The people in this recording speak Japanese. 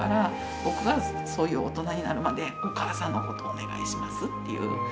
僕がそういう大人になるまでお母さんのことをお願いしますっていう。